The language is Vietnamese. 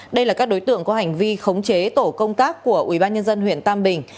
đây là các đối tượng có hành vi khống chế tổ công tác của ubnd huyện tam bình